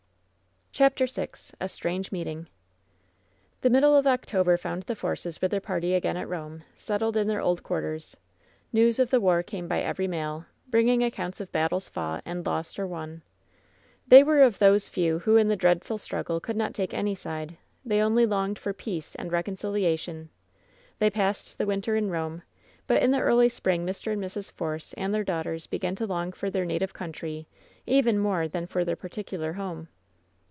OHAPTEE VI A STRANGE MEETING The middle of October found the Forces with their party again at Eome, settled in their old quarters. News of the war came by every mail, bringing ac counts of battles fought, and lost or won. They were of those few who in the dreadful struggle could not take any side. They only longed for peace and reconciliation. They passed the ^winter in Eome, but in the early spring Mr. and Mrs. Force and their daughters began to long for their native country even more than for their particular home.